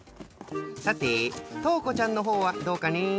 さてとうこちゃんのほうはどうかね？